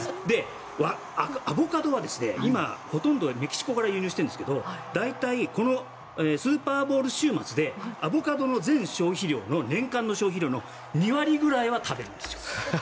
アボカドは今ほとんどメキシコから輸入しているんですが大体、スーパーボウル週末でアボカドの全消費量の年間の消費量の２割くらいは食べるんですよ。